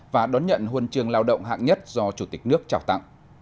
và đón nhận huân trường lao động hạng nhất do chủ tịch nước trao tặng